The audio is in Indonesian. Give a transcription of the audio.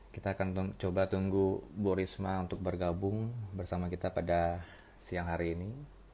kita akan coba tunggu bu risma untuk bergabung bersama kita pada siang hari ini